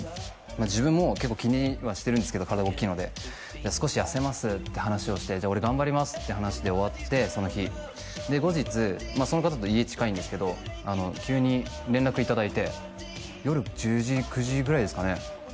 自分も結構気にはしてるんですけど体が大きいのでじゃあ少し痩せますって話をして俺頑張りますって話で終わってその日で後日その方と家近いんですけど急に連絡いただいて夜１０時９時ぐらいですかね